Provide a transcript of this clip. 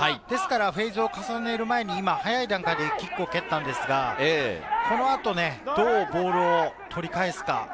ですからフェイズを重ねる毎に早い段階でキックを蹴ったんですが、この後、どうボールを取り返すか。